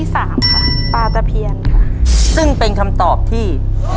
สามค่ะปลาตะเพียนค่ะซึ่งเป็นคำตอบที่